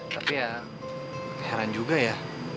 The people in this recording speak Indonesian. tapi ya heran juga ya